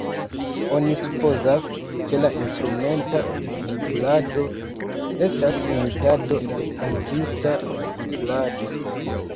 Oni supozas, ke la instrumenta vibrado estas imitado de kantista vibrado.